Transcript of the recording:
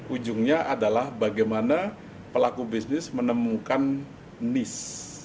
ujungnya adalah bagaimana pelaku bisnis menemukan nis